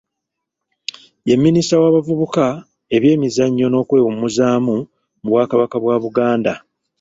Ye minisita wa bavubuka, ebyemizannyo n'okwewummuzaamu mu Bwakabaka bwa Buganda.